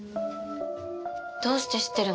どうして知ってるの？